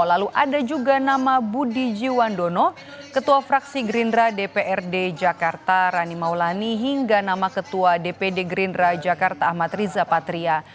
lalu ada juga nama budi jiwandono ketua fraksi gerindra dprd jakarta rani maulani hingga nama ketua dpd gerindra jakarta ahmad riza patria